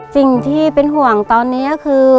สิ่งที่เป็นห่วงตอนนี้ก็คือ